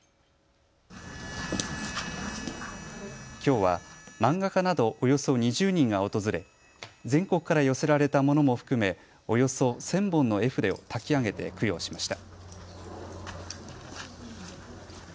きょうは漫画家などおよそ２０人が訪れ全国から寄せられたものも含めおよそ１０００本の絵筆をたきあげて供養しました。